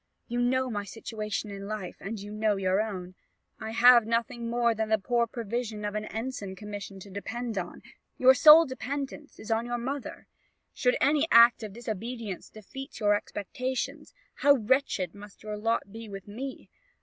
You know my situation in life, and you know your own: I have nothing more than the poor provision of an ensign's commission to depend on; your sole dependence is on your mother; should any act of disobedience defeat your expectations, how wretched must your lot be with me!